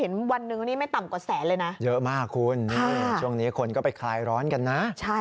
เห็นวันหนึ่งไม่ต่ำกว่าแสนเลยนะ